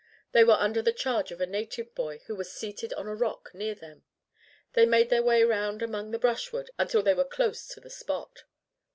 They were under the charge of a native boy, who was seated on a rock near them. They made their way round among the brushwood until they were close to the spot.